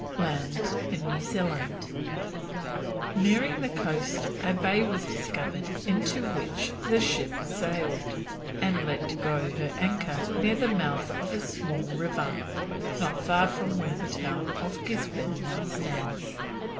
LAND IN NEW ZEALAND. Nearing the coast a bay was discovered into which the ship sailed, and let go her anchor near the mouth of a small river, not far from where the town of Guisborne now stands.